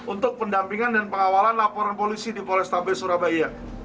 untuk pendampingan dan pengawalan laporan polisi di polrestabes surabaya